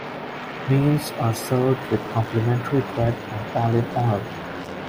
Meals are served with complimentary bread and olive oil.